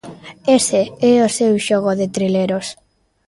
Ese é o seu xogo de trileros.